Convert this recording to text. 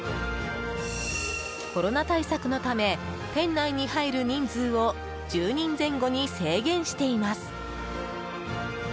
コロナ対策のため店内に入る人数を１０人前後に制限しています。